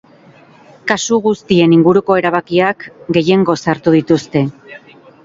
Kasu guztien inguruko erabakiak gehiengoz hartu dituzte.